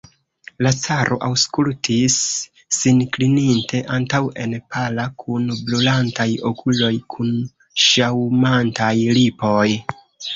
La caro aŭskultis, sin klininte antaŭen, pala, kun brulantaj okuloj, kun ŝaŭmantaj lipoj.